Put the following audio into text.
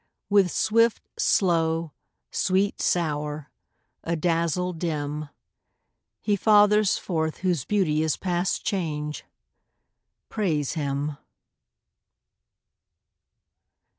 With swift, slow; sweet, sour; adazzle, dim; He fathers forth whose beauty is past change: Praise him.